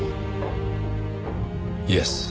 イエス。